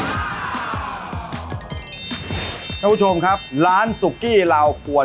ทุกผู้ชมครับร้านซุกกี้ลาวฟวน